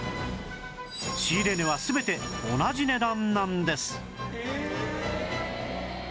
仕入れ値は全て同じ値段なんです